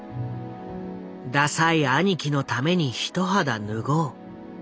ダサイ兄貴のために一肌脱ごう。